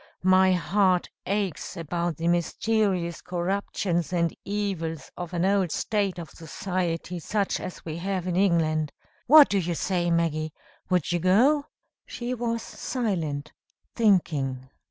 My heart aches about the mysterious corruptions and evils of an old state of society such as we have in England. What do you say Maggie? Would you go?" She was silent thinking.